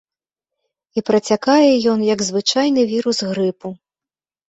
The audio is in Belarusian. І працякае ён, як звычайны вірус грыпу.